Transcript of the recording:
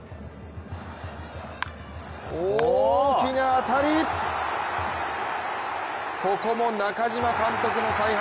大きな当たり、ここも中嶋監督の采配